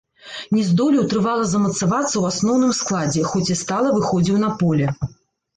Не здолеў трывала замацавацца ў асноўным складзе, хоць і стала выхадзіў на поле.